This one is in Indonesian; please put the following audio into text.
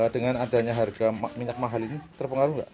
dengan adanya harga minyak mahal ini terpengaruh nggak